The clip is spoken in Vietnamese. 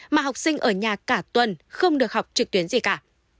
mà học sinh ở nhà cả tuần không được học trực tuyến gì cả